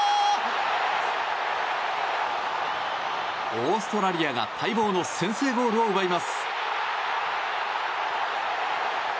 オーストラリアが待望の先制ゴールを奪います。